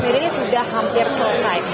sendiri ini sudah hampir selesai